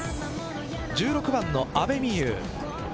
１６番の阿部未悠。